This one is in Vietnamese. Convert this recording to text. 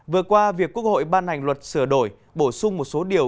vừa qua việc quốc hội ban hành luật sửa đổi bổ sung một số điều